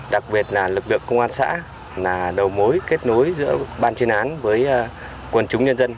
đặc biệt là lực lượng công an xã là đầu mối kết nối giữa ban chuyên án với quần chúng nhân dân